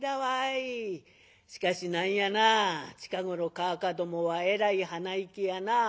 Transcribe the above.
しかし何やな近頃かあかどもはえらい鼻息やな。